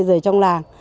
dưới trong làng